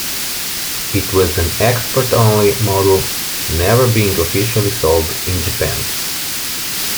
It was an export-only model, never being officially sold in Japan.